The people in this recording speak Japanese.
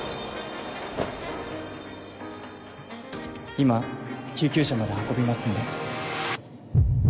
今救急車まで運びますんで。